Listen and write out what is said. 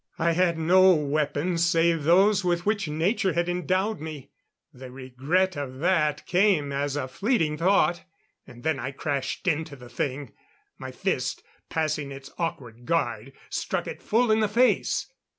I had no weapons save those with which nature had endowed me. The regret of that came as a fleeting thought; and then I crashed into the thing; my fist, passing its awkward guard, struck it full in the face.